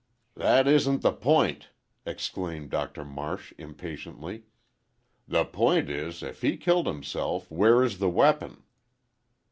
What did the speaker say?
"That isn't the point," exclaimed Doctor Marsh, impatiently. "The point is, if he killed himself, where is the weapon?"